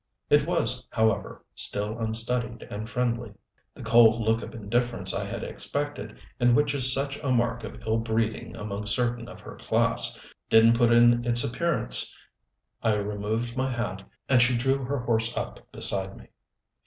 It was, however, still unstudied and friendly. The cold look of indifference I had expected and which is such a mark of ill breeding among certain of her class, didn't put in its appearance. I removed my hat, and she drew her horse up beside me.